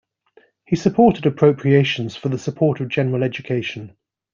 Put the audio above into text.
He supported appropriations for the support of general education.